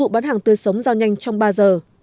bán hàng tươi sống giao nhanh trong ba giờ